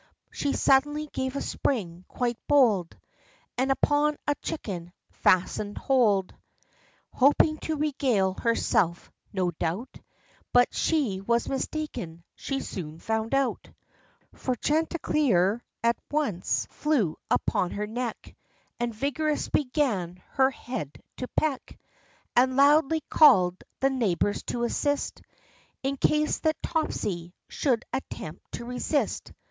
49 She suddenly gave a spring quite bold, And upon a chicken fastened hold, Hoping to regale herself, no doubt; But she was mistaken, she soon found out ; For Chanticleer at once flew upon her neck, And vigorously began her head to peck, And loudly called the neighbors to assist, In case that Topsy should attempt to resist.